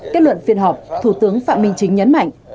kết luận phiên họp thủ tướng phạm minh chính nhấn mạnh